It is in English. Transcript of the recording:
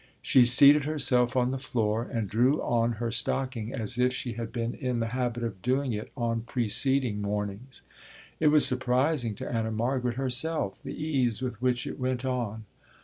She seated herself on the floor and drew on her stocking as if she had been in the habit of doing it on preceding mornings. It was surprising to Anna Margaret, herself, the ease with which it went on.